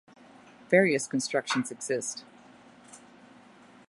Various constructions exist.